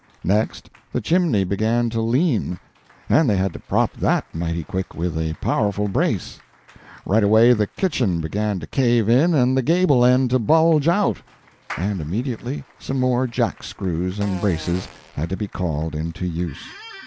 Next the chimney began to lean, and they had to prop that mighty quick with a powerful brace; right away the kitchen began to cave in and the gable end to bulge out, and immediately some more jackscrews and braces had to be called into use.